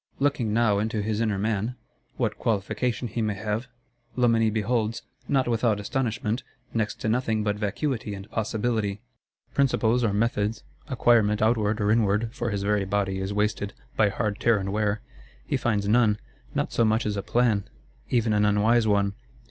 Looking now into his inner man, what qualification he may have, Loménie beholds, not without astonishment, next to nothing but vacuity and possibility. Principles or methods, acquirement outward or inward (for his very body is wasted, by hard tear and wear) he finds none; not so much as a plan, even an unwise one.